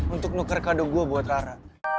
untuk nuker kado gue buat lara